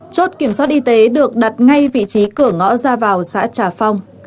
chốt kiểm soát y tế được đặt ngay vị trí cửa ngõ ra vào xã trà phong